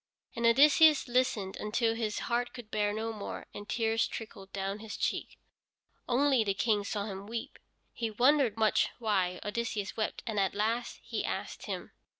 And Odysseus listened until his heart could bear no more, and tears trickled down his cheeks. Only the King saw him weep. He wondered much why Odysseus wept, and at last he asked him.